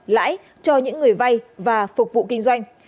lãi cho những người vay và phục vụ kinh doanh